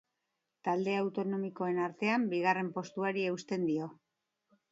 Talde autonomikoen artean bigarren postuari eusten dio.